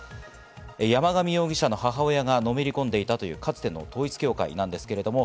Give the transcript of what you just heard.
山上容疑者の母親がのめり込んでいたという、かつての統一教会なんですけれども。